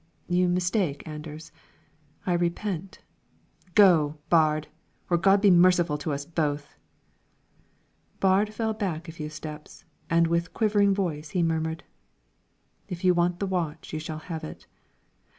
"You mistake, Anders; I repent" "Go, Baard, or God be merciful to us both!" Baard fell back a few steps, and with quivering voice he murmured, "If you want the watch you shall have it."